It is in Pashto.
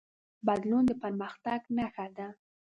بدلون د پرمختګ نښه ده.